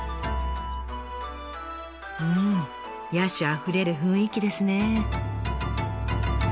うん野趣あふれる雰囲気ですね。